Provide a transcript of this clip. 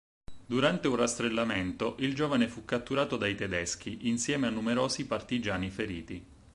Durante un rastrellamento, il giovane fu catturato dai tedeschi insieme a numerosi partigiani feriti.